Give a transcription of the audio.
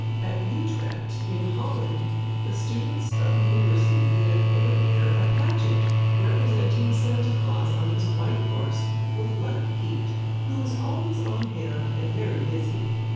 At Utrecht, in Holland, the students of the University give, every year, a pageant representing Santa Klaas on his white horse, with Black Pete, who is always on hand and very busy.